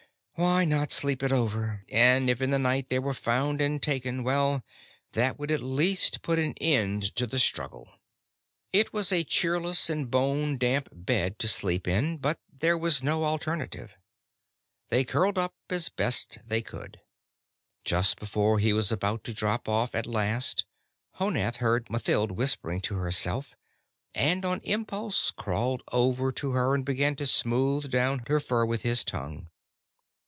Why not sleep it over? And if in the night they were found and taken well, that would at least put an end to the struggle. It was a cheerless and bone damp bed to sleep in, but there was no alternative. They curled up as best they could. Just before he was about to drop off at last, Honath heard Mathild whimpering to herself and, on impulse, crawled over to her and began to smooth down her fur with his tongue.